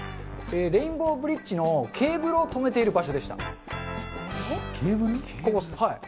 レインボーブリッジのケーブルを留めている場所でした。